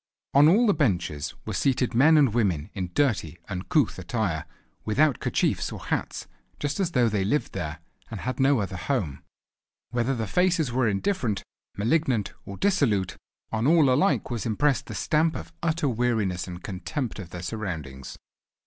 On all the benches were seated men and women in dirty, uncouth attire, without kerchiefs or hats, just as though they lived there and had no other home. Whether the faces were indifferent, malignant, or dissolute, on all alike was impressed the stamp of utter weariness and contempt of their surroundings.